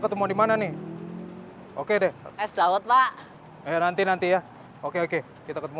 ketemu dimana nih oke deh es calot pak ya nanti nanti ya oke oke kita ketemu